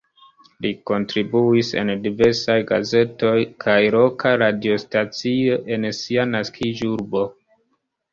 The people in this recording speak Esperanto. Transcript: Li kontribuis en diversaj gazetoj kaj loka radiostacio en sia naskiĝurbo.